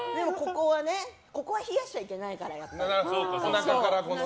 おなかは冷やしちゃいけないから。